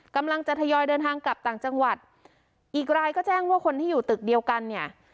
กำลังจะทยอยเดินทางกลับต่างจังหวัดอีกรายก็แจ้งว่าคนที่อยู่ตึกเดียวกันเนี่ย